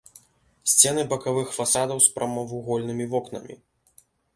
Сцены бакавых фасадаў з прамавугольнымі вокнамі.